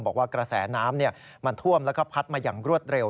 บอกว่ากระแสน้ำมันท่วมแล้วก็พัดมาอย่างรวดเร็ว